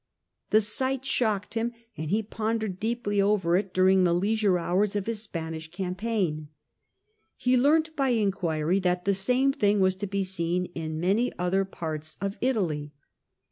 The sight shocked him, and he pondered deeply over it during the leisure hours of his Spanish campaign. He learnt by inquiry that the same thing was to be seen in many other i6 TIBERIUS GRACCHUS parts of Italy.